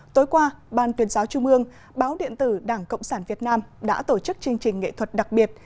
tối qua ban tuyên giáo trung ương báo điện tử đảng cộng sản việt nam đã tổ chức chương trình nghệ thuật đặc biệt